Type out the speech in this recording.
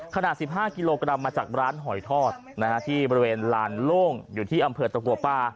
ขนาด๑๕กิโลกรัมมาจากร้านหอยทอดที่บริเวณลานโล่งอยู่ที่อำเภอตะกัวป้า